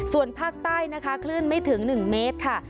ส่วนภาคใต้นะคะคลื่นไม่ถึง๑เมตรค่ะ